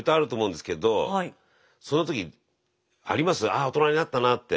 ああ大人になったなぁって。